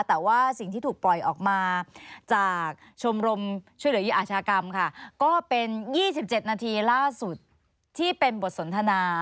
แต่ว่าสิ่งที่ถูกปล่อยออกมาจากชมรมช่วยเหลือเหยีอาชากรรมค่ะก็เป็น๒๗นาทีล่าสุดที่เป็นบทสนทนา